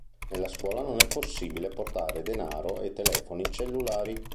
Nella scuola non è possibile portare denaro e telefoni cellulari.